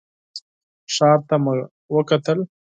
ښار ته مې وکتل.